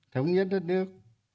thống nhất đất nước